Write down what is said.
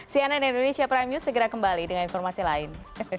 cnn indonesia prime news segera kembali dengan informasi lain